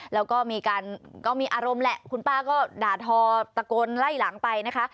แล้วก็มีการก็มีอารมณ์แหละคุณป้าก็ด่าทอตะโกนไล่หลังไปนะคะ